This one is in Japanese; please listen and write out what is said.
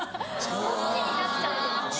そっちになっちゃうんですよね。